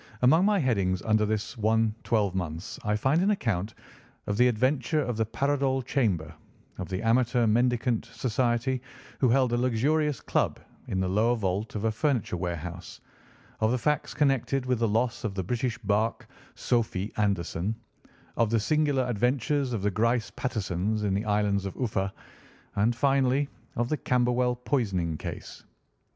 Among my headings under this one twelve months I find an account of the adventure of the Paradol Chamber, of the Amateur Mendicant Society, who held a luxurious club in the lower vault of a furniture warehouse, of the facts connected with the loss of the British barque Sophy Anderson, of the singular adventures of the Grice Patersons in the island of Uffa, and finally of the Camberwell poisoning case.